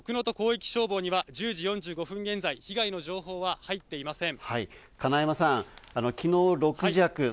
また、奥能戸広域消防には１０時４５分現在、被害の情報は入っていません。